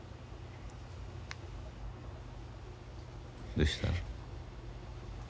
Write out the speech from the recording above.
どうした？